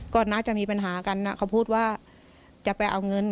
ก็น่าจะมีปัญหากันนะเขาพูดว่าจะไปเอาเงิน